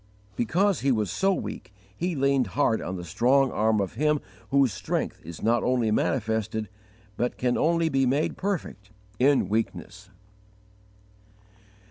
Because he was so weak, he leaned hard on the strong arm of Him whose strength is not only manifested, but can only be made perfect, in weakness.